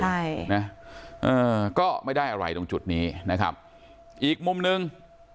ใช่นะเออก็ไม่ได้อะไรตรงจุดนี้นะครับอีกมุมหนึ่ง